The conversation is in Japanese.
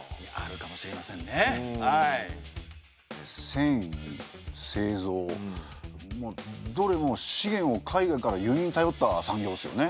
せんい製造まあどれも資源を海外から輸入にたよった産業ですよね。